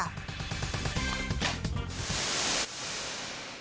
ฟังเสียงชาวสวนคนหลอกคนนี้ค่ะ